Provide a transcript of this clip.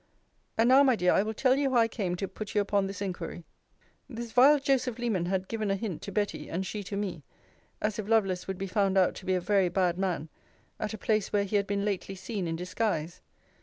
And now, my dear, I will tell you how I came to put you upon this inquiry. This vile Joseph Leman had given a hint to Betty, and she to me, as if Lovelace would be found out to be a very bad man, at a place where he had been lately seen in disguise.